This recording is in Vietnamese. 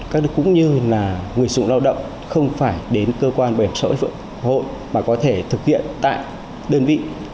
các cũng như là người sử dụng lao động không phải đến cơ quan bảo hiểm xã hội mà có thể thực hiện tại đơn vị